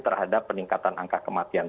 terhadap peningkatan angka kematian